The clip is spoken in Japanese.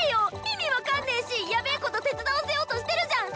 意味分かんねえしやべえこと手伝わせようとしてるじゃん